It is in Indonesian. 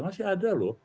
masih ada loh